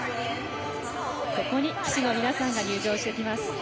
ここに旗手の皆さんが入場してきます。